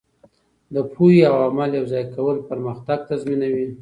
د پوهې او عمل یوځای کول پرمختګ تضمینوي.